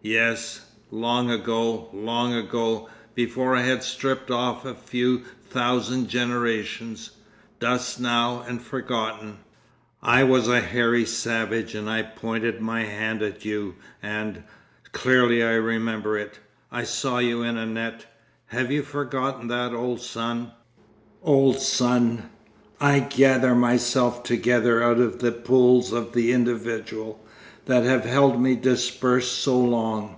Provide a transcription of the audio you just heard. Yes—long ago, long ago, before I had stripped off a few thousand generations, dust now and forgotten, I was a hairy savage and I pointed my hand at you and—clearly I remember it!—I saw you in a net. Have you forgotten that, old Sun? ... 'Old Sun, I gather myself together out of the pools of the individual that have held me dispersed so long.